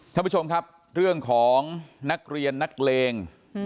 ท่านผู้ชมครับเรื่องของนักเรียนนักเลง